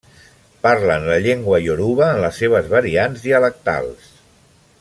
Parlen la llengua ioruba en les seves variants dialectals.